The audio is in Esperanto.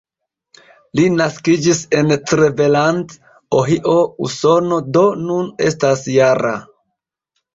Li naskiĝis en Cleveland, Ohio, Usono, do nun estas -jara.